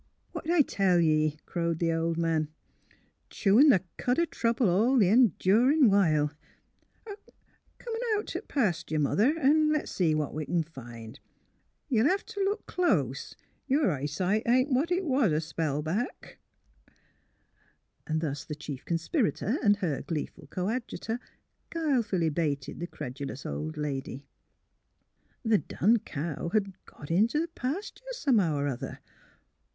" What'd I tell ye," crowed the old man. ^' Chewin' the cud o' trouble all th' endurin' while. Come on out t' th' pastur', Mother, an' le's see MILLY DRIVES THE COW 159 what we c'n find. Ye '11 hev t ' look close ; yer eye sight ain't what it was a spell back." And thus the chief conspirator and her gleeful coadjutor guilefully baited the credulous old lady. The dun cow had " got in t' th' pastur' somehow er other."